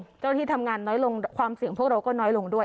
เจ้าหน้าที่ทำงานน้อยลงความเสี่ยงพวกเราก็น้อยลงด้วย